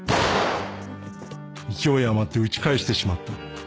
・勢い余って撃ち返してしまった